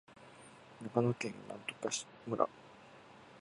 長野県喬木村